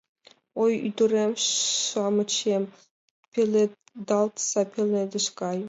Ой, ӱдырем-шамычем, пеледалтса пеледыш гай.